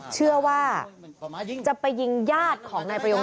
เชื่อว่าจะไปยิงญาติของนายประยง